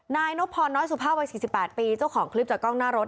นายนบพรน้อยสุภาพวัย๔๘ปีเจ้าของคลิปจากกล้องหน้ารถ